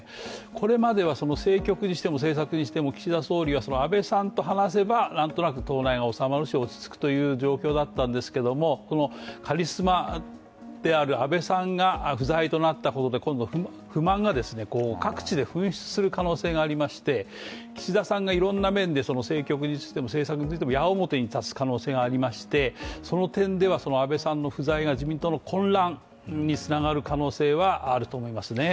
これまでは政局にしても政策にしても岸田総理は安倍さんと話せば何となく党内がまとまるし落ち着くという状況だったんですけれども、カリスマである安倍さんが不在となったことで今度、不満が各地で噴出する可能性がありまして岸田さんがいろんな面で政局についても政策についても矢面に立つ可能性がありましてその点では、安倍さんの不在が自民党の混乱につながる可能性はあると思いますね。